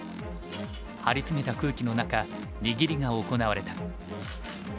張り詰めた空気の中握りが行われた。